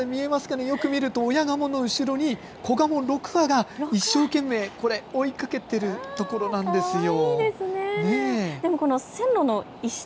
よく見ると親ガモの後ろに子ガモ６羽が一生懸命追いかけているところなんですよ。